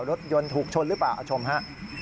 รถยนต์ถูกชนหรือเปล่าชมฮะ